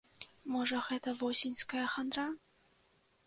Можа, гэта восеньская хандра?